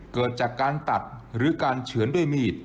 เกิดจากการตัดหรือการเฉือนด้วยมีด